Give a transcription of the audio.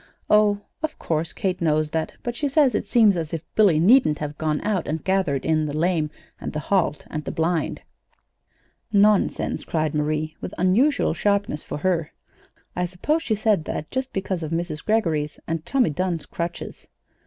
"Oh, of course Kate knows that; but she says it seems as if Billy needn't have gone out and gathered in the lame and the halt and the blind." "Nonsense!" cried Marie, with unusual sharpness for her. "I suppose she said that just because of Mrs. Greggory's and Tommy Dunn's crutches."